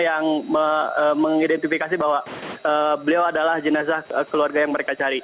yang mengidentifikasi bahwa beliau adalah jenazah keluarga yang mereka cari